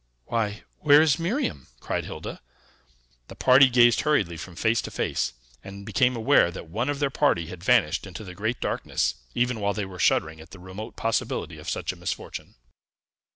"Why, where is Miriam?" cried Hilda. The party gazed hurriedly from face to face, and became aware that one of their party had vanished into the great darkness, even while they were shuddering at the remote possibility of such a misfortune.